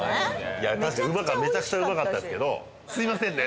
いや確かにめちゃくちゃうまかったですけどすいませんね